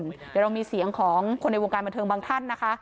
เดี๋ยวเรามีเสียงของคนในวงการบันเทิงบางท่านนะคะ